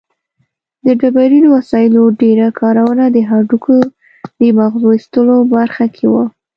د ډبرینو وسایلو ډېره کارونه د هډوکو د مغزو ایستلو برخه کې وه.